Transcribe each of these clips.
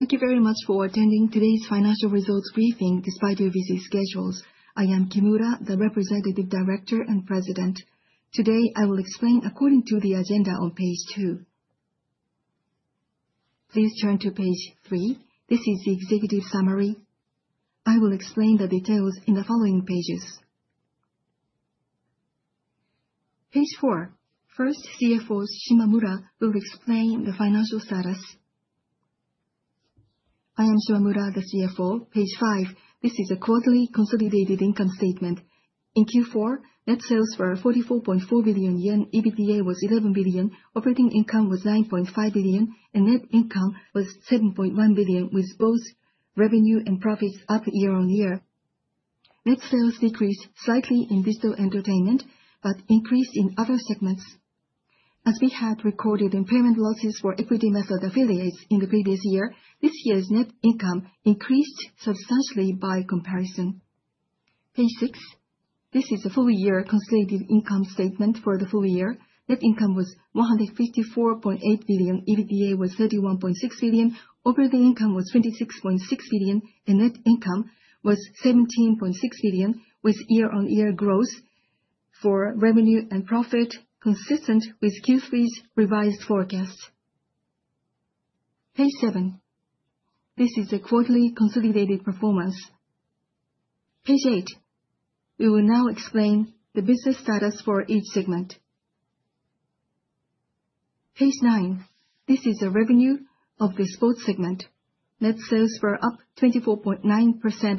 Thank you very much for attending today's financial results briefing despite your busy schedules. I am Kimura, the Representative Director and President. Today, I will explain according to the agenda on page two. Please turn to page three. This is the executive summary. I will explain the details in the following pages. Page four. First, CFO Shimamura will explain the financial status. I am Shimamura, the CFO. Page five. This is a quarterly consolidated income statement. In Q4, net sales for 44.4 billion yen, EBITDA was 11 billion, operating income was 9.5 billion, and net income was 7.1 billion, with both revenue and profits up year on year. Net sales decreased slightly in Digital Entertainment but increased in other segments. As we had recorded impairment losses for equity method affiliates in the previous year, this year's net income increased substantially by comparison. Page six. This is a full-year consolidated income statement for the full year. Net income was 154.8 billion, EBITDA was 31.6 billion, operating income was 26.6 billion, and net income was 17.6 billion, with year-on-year growth for revenue and profit consistent with Q3's revised forecast. Page seven. This is a quarterly consolidated performance. Page eight. We will now explain the business status for each segment. Page nine. This is the revenue of the sports segment. Net sales were up 24.9%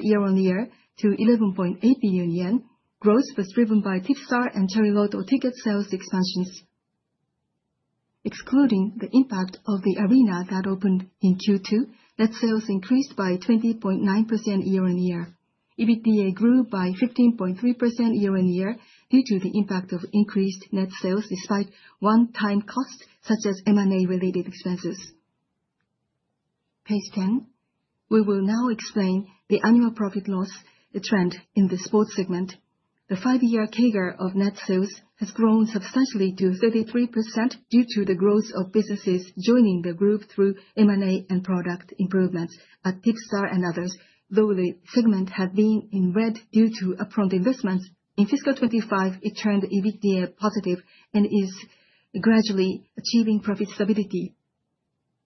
year-on-year to 11.8 billion yen. Growth was driven by TIPSTAR and Chariloto ticket sales expansions. Excluding the impact of the arena that opened in Q2, net sales increased by 20.9% year-on-year. EBITDA grew by 15.3% year-on-year due to the impact of increased net sales despite one-time costs such as M&A-related expenses. Page 10. We will now explain the annual profit loss trend in the sports segment. The five-year CAGR of net sales has grown substantially to 33% due to the growth of businesses joining the group through M&A and product improvement. At TIPSTAR and others, though the segment had been in red due to upfront investments, in fiscal 2025 it turned EBITDA positive and is gradually achieving profit stability.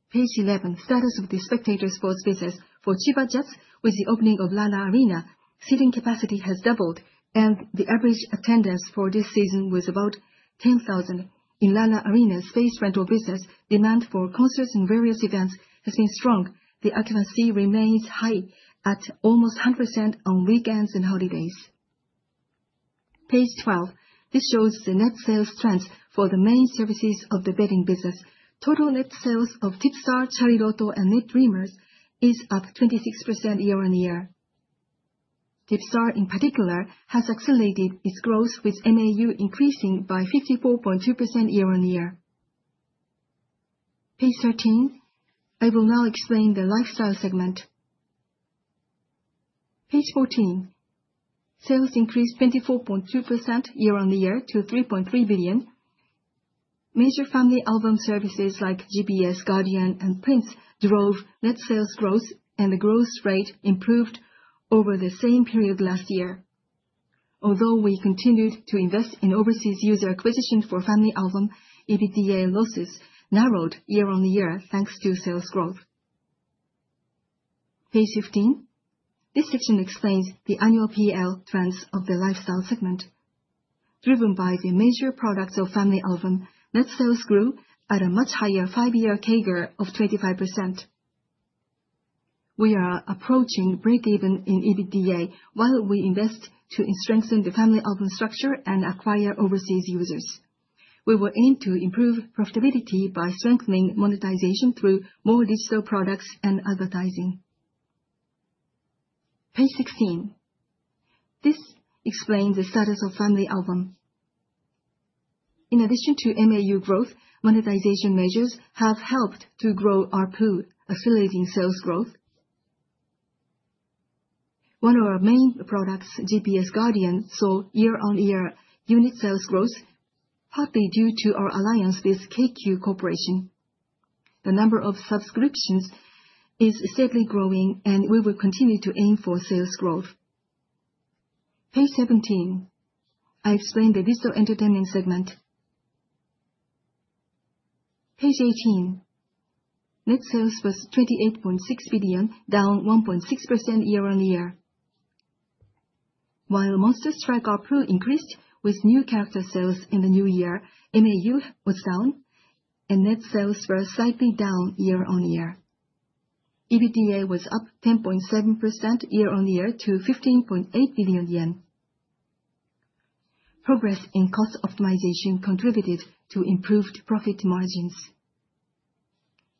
Page 11. Status of the spectator sports business. For CHIBA JETS, with the opening of LaLa arena, seating capacity has doubled, and the average attendance for this season was about 10,000. In LaLa arena, space rental business demand for concerts and various events has been strong. The occupancy remains high at almost 100% on weekends and holidays. Page 12. This shows the net sales trends for the main services of the Betting business. Total net sales of TIPSTAR, Chariloto, and Net Dreamers is up 26% year-on-year. TIPSTAR, in particular, has accelerated its growth, with MAU increasing by 54.2% year-on-year. Page 13. I will now explain the Lifestyle segment. Page 14. Sales increased 24.2% year-on-year to 3.3 billion. Major FamilyAlbum services like GPS Guardian and PRINCE drove net sales growth, and the growth rate improved over the same period last year. Although we continued to invest in overseas user acquisition for FamilyAlbum, EBITDA losses narrowed year-on-year thanks to sales growth. Page 15. This section explains the annual PL trends of the Lifestyle segment. Driven by the major products of FamilyAlbum, net sales grew at a much higher five-year CAGR of 25%. We are approaching break-even in EBITDA while we invest to strengthen the FamilyAlbum structure and acquire overseas users. We will aim to improve profitability by strengthening monetization through more digital products and advertising. Page 16. This explains the status of FamilyAlbum. In addition to MAU growth, monetization measures have helped to grow our pool, accelerating sales growth. One of our main products, GPS Guardian, saw year-on-year unit sales growth, partly due to our alliance with KQ Corporation. The number of subscriptions is steadily growing, and we will continue to aim for sales growth. Page 17. I explain the Digital Entertainment segment. Page 18. Net sales was 28.6 billion, down 1.6% year-on-year. While Monster Strike ARPU increased with new character sales in the new year, MAU was down, and net sales were slightly down year-on-year. EBITDA was up 10.7% year-on-year to 15.8 billion yen. Progress in cost optimization contributed to improved profit margins.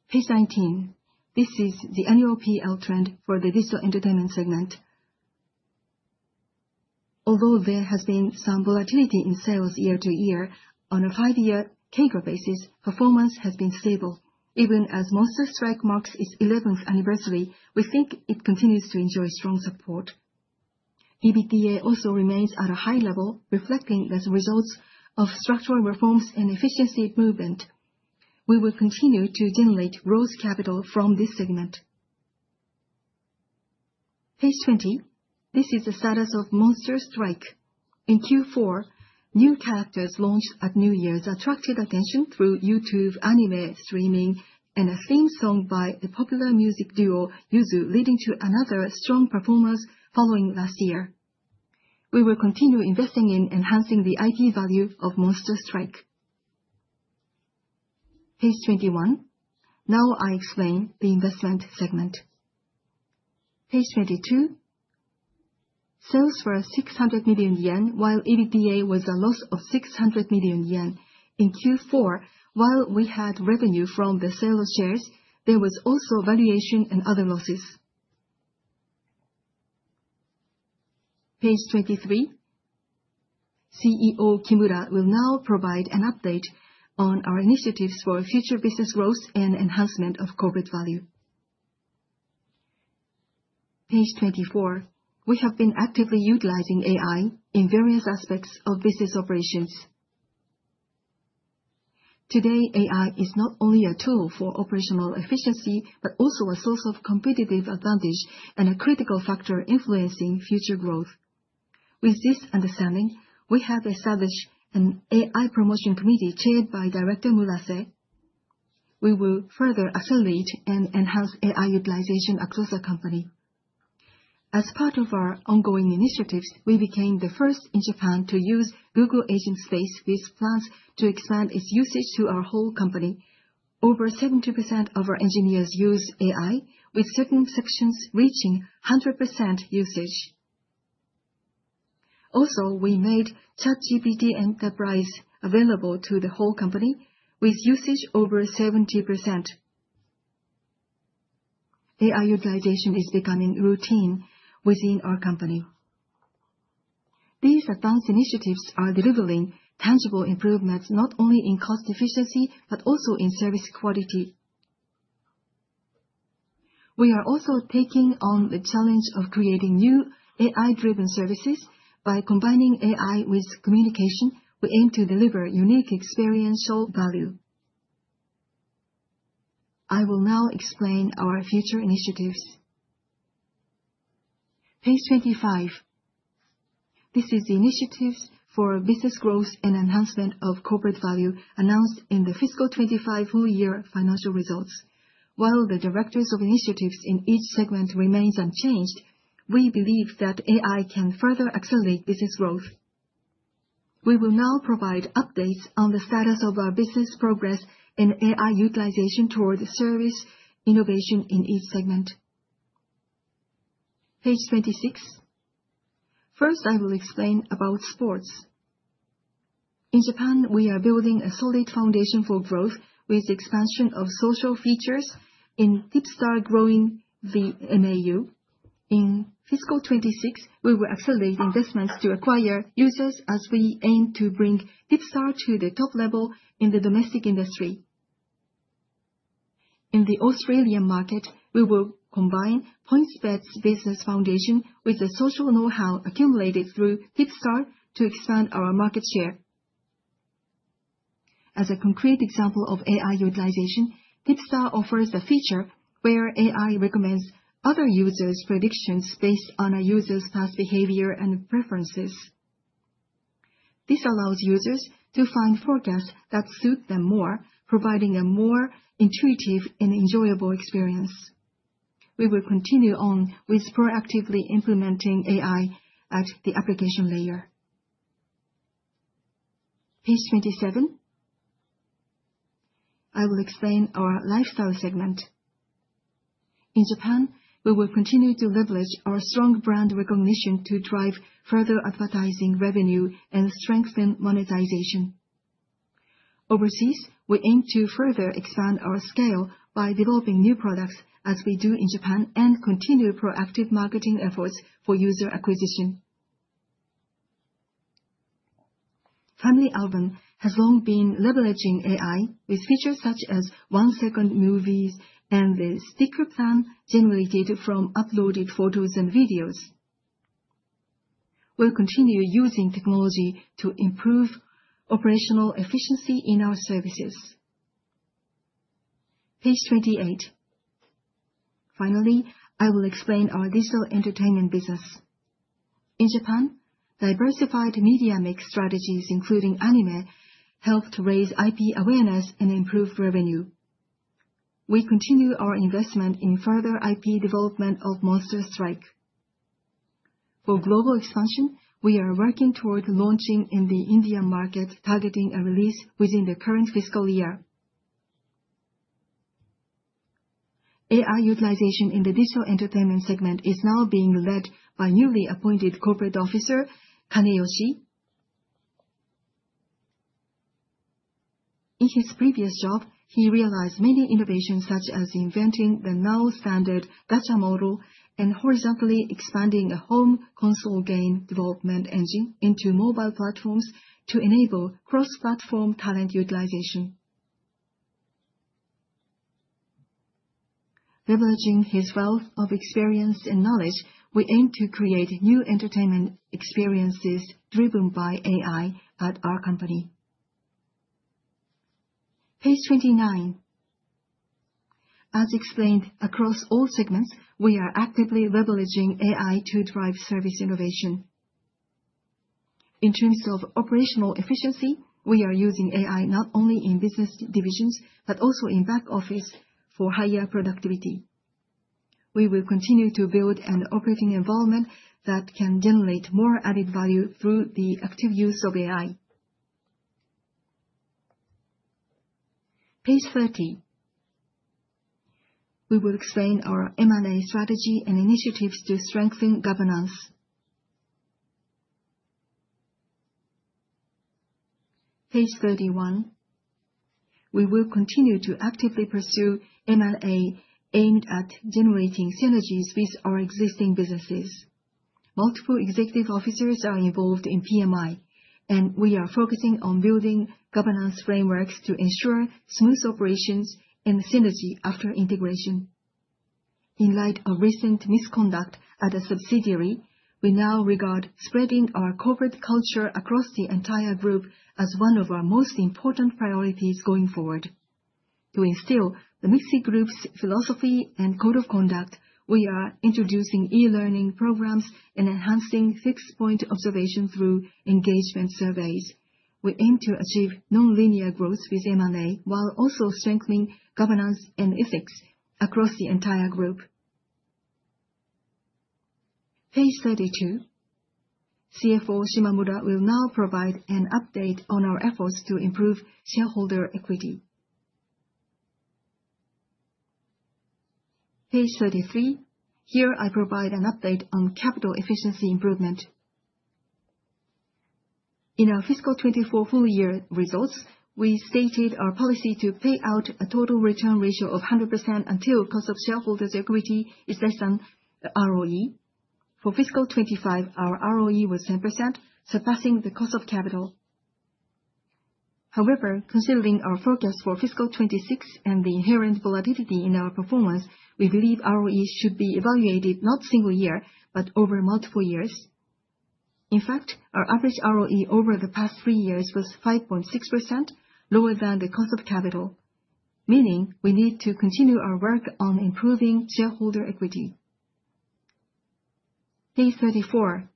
Page 19. This is the annual PL trend for the Digital Entertainment segment. Although there has been some volatility in sales year-to-year, on a five-year CAGR basis, performance has been stable. Even as Monster Strike marks its 11th anniversary, we think it continues to enjoy strong support. EBITDA also remains at a high level, reflecting the results of structural reforms and efficiency improvement. We will continue to generate gross capital from this segment. Page 20. This is the status of Monster Strike. In Q4, new characters launched at New Year's attracted attention through YouTube anime streaming and a theme song by the popular music duo Yuzu, leading to another strong performance following last year. We will continue investing in enhancing the IP value of Monster Strike. Page 21. Now I explain the investment segment. Page 22. Sales were 600 million yen, while EBITDA was a loss of 600 million yen. In Q4, while we had revenue from the sales shares, there was also valuation and other losses. Page 23. CEO Kimura will now provide an update on our initiatives for future business growth and enhancement of corporate value. Page 24. We have been actively utilizing AI in various aspects of business operations. Today, AI is not only a tool for operational efficiency but also a source of competitive advantage and a critical factor influencing future growth. With this understanding, we have established an AI promotion committee chaired by Director Murase. We will further accelerate and enhance AI utilization across the company. As part of our ongoing initiatives, we became the first in Japan to use Google Agentspace with plans to expand its usage to our whole company. Over 70% of our engineers use AI, with certain sections reaching 100% usage. Also, we made ChatGPT Enterprise available to the whole company, with usage over 70%. AI utilization is becoming routine within our company. These advanced initiatives are delivering tangible improvements not only in cost efficiency but also in service quality. We are also taking on the challenge of creating new AI-driven services. By combining AI with communication, we aim to deliver unique experiential value. I will now explain our future initiatives. Page 25. This is the initiatives for business growth and enhancement of corporate value announced in the fiscal 2025 full year financial results. While the directors of initiatives in each segment remain unchanged, we believe that AI can further accelerate business growth. We will now provide updates on the status of our business progress and AI utilization toward service innovation in each segment. Page 26. First, I will explain about sports. In Japan, we are building a solid foundation for growth with the expansion of social features in TIPSTAR growing the MAU. In fiscal 2026, we will accelerate investment to acquire users as we aim to bring TIPSTAR to the top level in the domestic industry. In the Australian market, we will combine PointsBet's business foundation with the social know-how accumulated through TIPSTAR to expand our market share. As a concrete example of AI utilization, TIPSTAR offers a feature where AI recommends other users' predictions based on a user's past behavior and preferences. This allows users to find forecasts that suit them more, providing a more intuitive and enjoyable experience. We will continue on with proactively implementing AI at the application layer. Page 27. I will explain our Lifestyle segment. In Japan, we will continue to leverage our strong brand recognition to drive further advertising revenue and strengthen monetization. Overseas, we aim to further expand our scale by developing new products as we do in Japan and continue proactive marketing efforts for user acquisition. FamilyAlbum has long been leveraging AI with features such as one-second movies and the sticker plan generated from uploaded photos and videos. We'll continue using technology to improve operational efficiency in our services. Page 28. Finally, I will explain our Digital Entertainment business. In Japan, diversified media mix strategies including anime helped raise IP awareness and improve revenue. We continue our investment in further IP development of Monster Strike. For global expansion, we are working toward launching in the Indian market, targeting a release within the current fiscal year. AI utilization in the Digital Entertainment segment is now being led by newly appointed Corporate Officer Kaneyoshi. In his previous job, he realized many innovations such as inventing the now-standard gacha model and horizontally expanding a home console game development engine into mobile platforms to enable cross-platform talent utilization. Leveraging his wealth of experience and knowledge, we aim to create new entertainment experiences driven by AI at our company. Page 29. As explained across all segments, we are actively leveraging AI to drive service innovation. In terms of operational efficiency, we are using AI not only in business divisions but also in back office for higher productivity. We will continue to build an operating environment that can generate more added value through the active use of AI. Page 30. We will explain our M&A strategy and initiatives to strengthen governance. Page 31. We will continue to actively pursue M&A aimed at generating synergies with our existing businesses. Multiple executive officers are involved in PMI, and we are focusing on building governance frameworks to ensure smooth operations and synergy after integration. In light of recent misconduct at a subsidiary, we now regard spreading our corporate culture across the entire group as one of our most important priorities going forward. To instill the MIXI Group's philosophy and code of conduct, we are introducing e-learning programs and enhancing fixed-point observation through engagement surveys. We aim to achieve non-linear growth with M&A while also strengthening governance and ethics across the entire group. Page 32. CFO Shimamura will now provide an update on our efforts to improve shareholder equity. Page 33. Here I provide an update on capital efficiency improvement. In our fiscal 2024 full-year results, we stated our policy to pay out a total return ratio of 100% until cost of shareholders' equity is less than the ROE. For fiscal 2025, our ROE was 10%, surpassing the cost of capital. However, considering our focus for fiscal 2026 and the inherent volatility in our performance, we believe ROE should be evaluated not single year but over multiple years. In fact, our average ROE over the past three years was 5.6%, lower than the cost of capital, meaning we need to continue our work on improving shareholder equity. Page 34.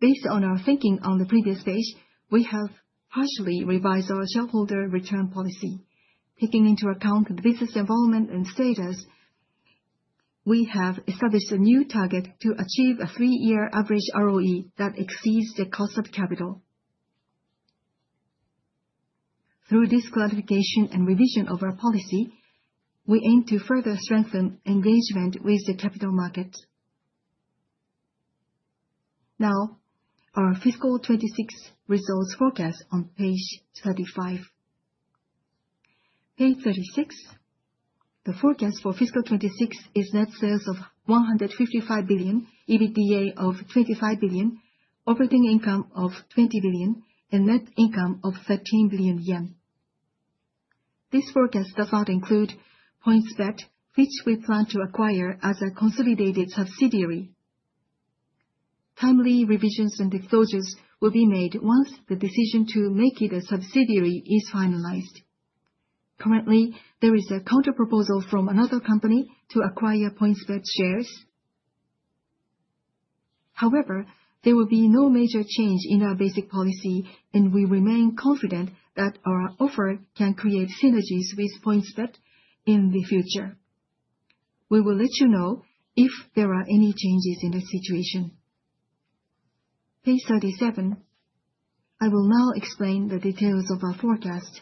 Based on our thinking on the previous page, we have partially revised our shareholder return policy. Taking into account the business involvement and status, we have established a new target to achieve a three-year average ROE that exceeds the cost of capital. Through this clarification and revision of our policy, we aim to further strengthen engagement with the capital markets. Now, our fiscal 2026 results forecast on page 35. Page 36. The forecast for fiscal 2026 is net sales of 155 billion, EBITDA of 25 billion, operating income of 20 billion, and net income of 13 billion yen. This forecast does not include PointsBet, which we plan to acquire as a consolidated subsidiary. Timely revisions and disclosures will be made once the decision to make it a subsidiary is finalized. Currently, there is a counterproposal from another company to acquire PointsBet shares. However, there will be no major change in our basic policy, and we remain confident that our offer can create synergies with PointsBet in the future. We will let you know if there are any changes in the situation. Page 37. I will now explain the details of our forecast.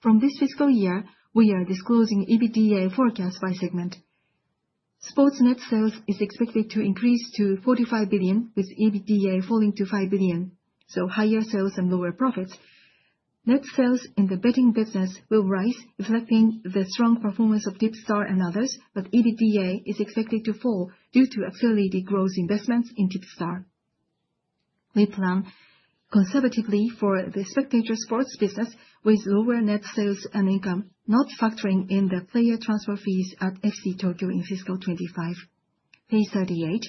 From this fiscal year, we are disclosing EBITDA forecast by segment. Sports net sales is expected to increase to 45 billion, with EBITDA falling to 5 billion, so higher sales and lower profits. Net sales in the Betting business will rise, reflecting the strong performance of TIPSTAR and others, but EBITDA is expected to fall due to accelerated growth investments in TIPSTAR. We plan conservatively for the Spectator Sports business with lower net sales and income, not factoring in the player transfer fees at SC Tokyo in fiscal 2025. Page 38.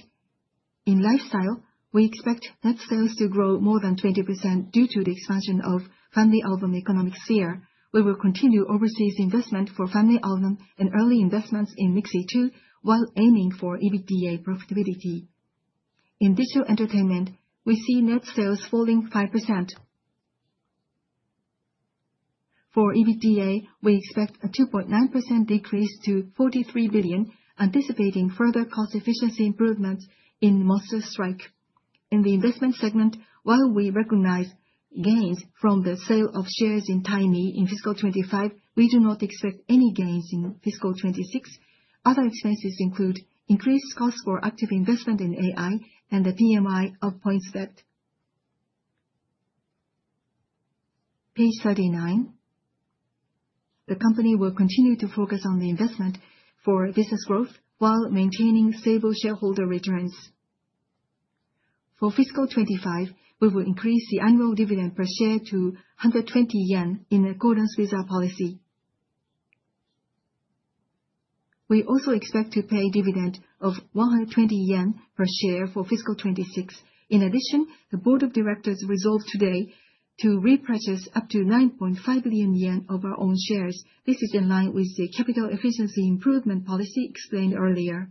In Lifestyle, we expect net sales to grow more than 20% due to the expansion of the FamilyAlbum economic sphere. We will continue overseas investment for FamilyAlbum and early investments in mixi2 while aiming for EBITDA profitability. In Digital Entertainment, we see net sales falling 5%. For EBITDA, we expect a 2.9% decrease to 43 billion, anticipating further cost efficiency improvements in Monster Strike. In the investment segment, while we recognize gains from the sale of shares in Tiny in fiscal 2025, we do not expect any gains in fiscal 2026. Other expenses include increased cost for active investment in AI and the PMI of PointsBet. Page 39. The company will continue to focus on the investment for business growth while maintaining stable shareholder returns. For fiscal 2025, we will increase the annual dividend per share to 120 yen in accordance with our policy. We also expect to pay a dividend of 120 yen per share for fiscal 2026. In addition, the Board of Directors resolved today to repurchase up to 9.5 billion yen of our own shares. This is in line with the capital efficiency improvement policy explained earlier.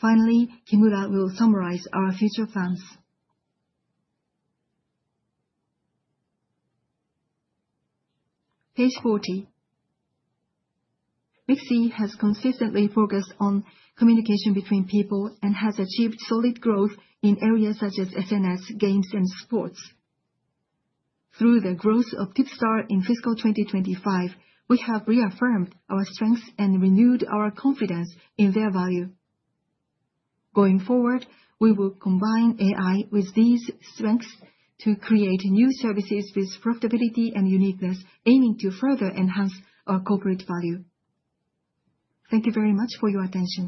Finally, Kimura will summarize our future plans. Page 40. MIXI has consistently focused on communication between people and has achieved solid growth in areas such as SNS, games, and sports. Through the growth of TIPSTAR in fiscal 2025, we have reaffirmed our strengths and renewed our confidence in their value. Going forward, we will combine AI with these strengths to create new services with profitability and uniqueness, aiming to further enhance our corporate value. Thank you very much for your attention.